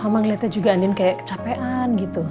sama ngeliatnya juga andin kayak kecapean gitu